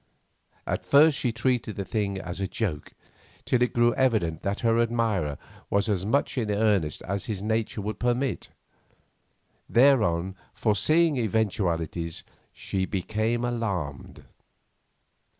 At first she treated the thing as a joke, till it grew evident that her admirer was as much in earnest as his nature would permit. Thereon, foreseeing eventualities, she became alarmed.